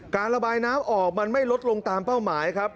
การระบายน้ำออกมันไม่ลดลงตามเป้าหมายครับ